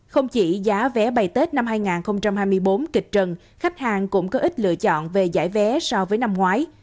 không chỉ giá vé bay tết năm hai nghìn hai mươi bốn kịch trần khách hàng cũng có ít lựa chọn về giải vé so với năm ngoái